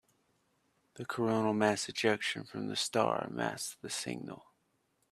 The coronal mass ejection from the star masked the signal.